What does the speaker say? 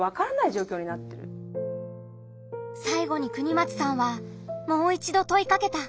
さいごに國松さんはもう一度問いかけた。